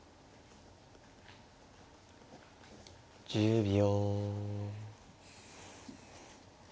１０秒。